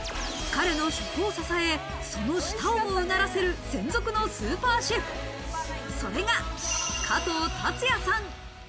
彼の食を支え、その舌をも唸らせる専属のスーパーシェフ、それが加藤超也さん。